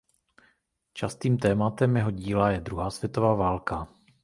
Častým tématem jeho díla je druhá světová válka.